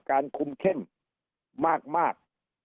การคุมเข้มมาก